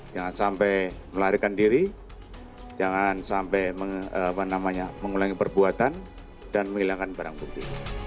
jangan sampai melarikan diri jangan sampai mengulangi perbuatan dan menghilangkan barang bukti